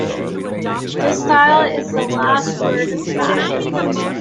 This style is the last word of fashion.